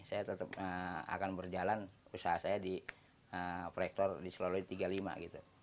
saya tetap akan berjalan usaha saya di proyektor di sulawesi tiga puluh lima gitu